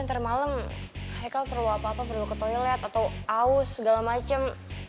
ntar malam hai kau perlu apa apa perlu ke toilet atau aus segala macem